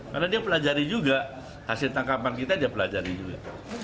karena dia pelajari juga hasil tangkapan kita dia pelajari juga